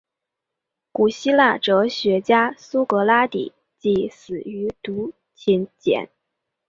古希腊哲学家苏格拉底即死于毒芹碱。